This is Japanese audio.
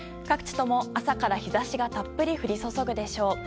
各地とも、朝から日差しがたっぷり降り注ぐでしょう。